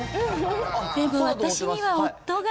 でも私には夫が。